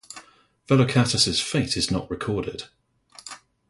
Vellocatus's fate is not recorded.